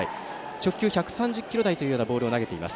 直球１３０キロ台というようなボールを投げています。